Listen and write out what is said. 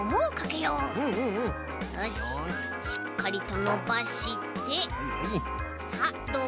よししっかりとのばしてさあどうかな？